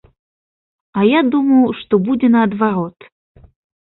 А я думаў, што будзе наадварот.